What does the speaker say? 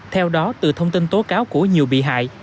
theo đó từ thông tin tố cáo của nhiều bị hại